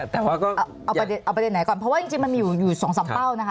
แต่ว่าก็เอาประเด็นไหนก่อนเพราะว่าจริงมันมีอยู่๒๓เป้านะคะ